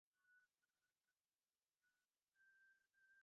এমন অনেক test series আছে যেগুলো চ্যালেঞ্জ হিসেবে নিয়ে ভালো করেছি।